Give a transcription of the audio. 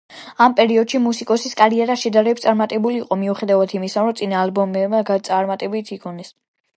ამ პერიოდში მუსიკოსის კარიერა შედარებით წარუმატებელი იყო, მიუხედავად იმისა, რომ წინა ალბომებმა წარმატება იქონიეს.